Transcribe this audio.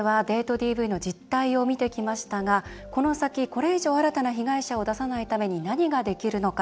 ＤＶの実態をみてきましたがこの先、これ以上新たな被害者を出さないために何ができるのか。